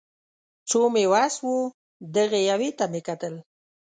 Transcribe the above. څو مې وس و دغې یوې ته مې کتل